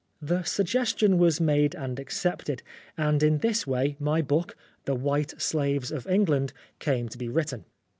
The suggestion was made and accepted, and in this way my book The White Slaves of England came to be written.